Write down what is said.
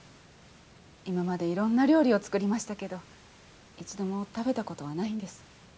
今までいろんな料理を作りましたけど１度も食べたことはないんです。